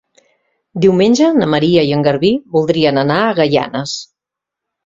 Diumenge na Maria i en Garbí voldrien anar a Gaianes.